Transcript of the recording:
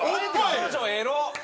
彼女エロっ！